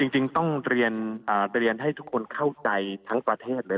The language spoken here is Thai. จริงต้องเรียนให้ทุกคนเข้าใจทั้งประเทศเลย